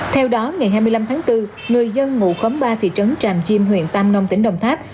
theo đó ngày hai mươi năm tháng bốn người dân ngụ khóm ba thị trấn tràm chim huyện tam nông tỉnh đồng tháp